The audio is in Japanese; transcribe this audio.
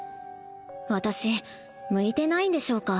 私向いてないんでしょうか？